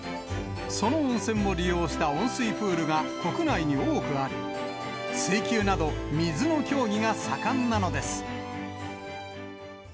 その温泉を利用した温水プールが国内に多くあり、水球など、水の競技が盛んなのです。